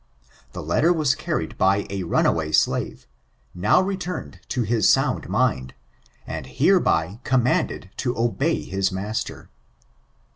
The letter was carried by a runaway slave, now returned to his sound mind, and hereby commanded to obey his master.